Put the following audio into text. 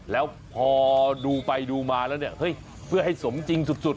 แล้วพอดูไปดูมาแล้วเนี่ยเฮ้ยเพื่อให้สมจริงสุด